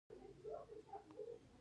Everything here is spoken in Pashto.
کوم کس د مامور په توګه منل کیږي؟